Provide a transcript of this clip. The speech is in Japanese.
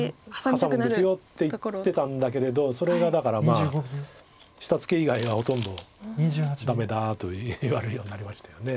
「ハサむんですよ」って言ってたんだけれどそれがだから下ツケ以外はほとんどダメだと言われるようになりましたよね。